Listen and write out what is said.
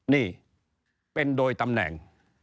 นี่เป็นโดยตำแหน่ง